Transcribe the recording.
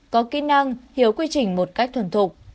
có kỹ năng hiểu quy trình một cách thuần thục